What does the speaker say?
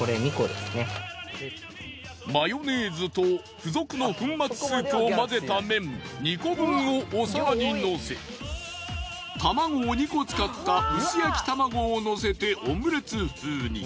マヨネーズと付属の粉末スープを混ぜた麺２個分をお皿にのせ卵を２個使った薄焼き玉子をのせてオムレツ風に。